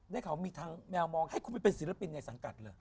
ได้เขามีทางแมวมองให้คุณไปเป็นศิลปินในสังกัดเลย